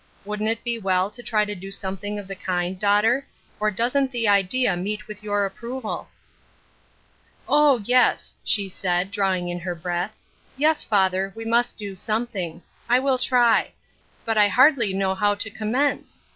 Wouldn't it be well to try to do something of the kind, daughter, or doesn't the idea meet with your ap proval ?"" Oh, yes," she said, drawing in her breath. " Yes, father, we must do something. I will try. But I hardly know how to commence.